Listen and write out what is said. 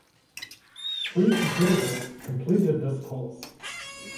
Three competitors completed this course.